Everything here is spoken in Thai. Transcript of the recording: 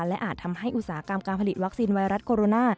และอาจทำให้อุตสาหกรรมการผลิตวัคซีนไวรัสโคโรนา